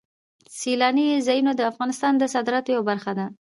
سیلاني ځایونه د افغانستان د صادراتو یوه برخه ده.